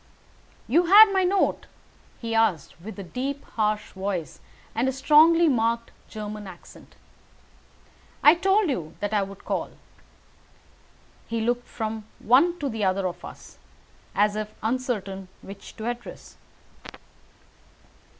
"You had my note?" he asked, with a deep, harsh voice and a strongly marked German accent. "I told you that I would call." He looked from one to the other of us, as if uncertain which to address.